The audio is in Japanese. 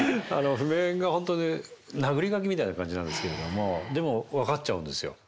譜面が本当になぐり書きみたいな感じなんですけれどもでも分かっちゃうんですよ。